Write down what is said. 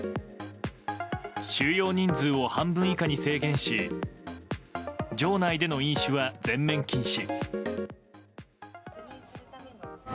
収容人数を半分以下に制限し場内での飲酒は全面禁止。